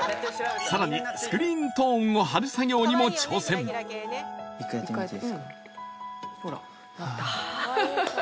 さらにスクリーントーンを貼る作業にも挑戦一回やってみていいっすか？